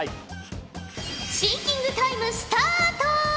シンキングタイムスタート！